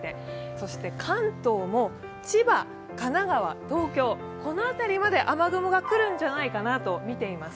そして関東も千葉、神奈川、東京、この辺りまで雨雲が来るんじゃないかとみています。